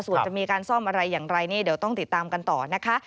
ส่วนจะมีการซ่อมอะไรอย่างไรนี่เดี๋ยวต้องติดตามกันต่อนะคะ